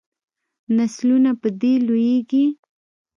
نسلونه په دې لویږي.